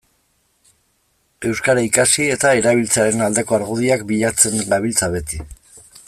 Euskara ikasi eta erabiltzearen aldeko argudioak bilatzen gabiltza beti.